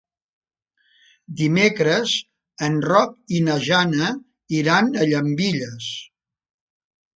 Dimecres en Roc i na Jana iran a Llambilles.